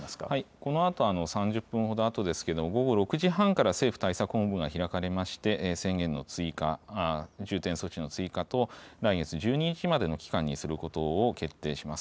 このあと、３０分ほどあとですけど、午後６時半から政府対策本部が開かれまして、宣言の追加、重点措置の追加と来月１２日までの期間にすることを決定します。